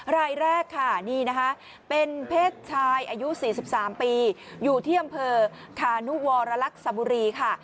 รายแรกค่ะนี่นะคะเป็นเพศชายอายุ๔๓ปีอยู่ที่อำเภอคานุวรรลักษบุรีค่ะ